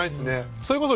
それこそ。